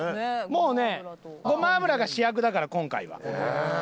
もうねごま油が主役だから今回は。